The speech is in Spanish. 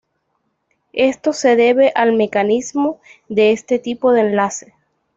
Esto se debe al mecanismo de este tipo de enlace.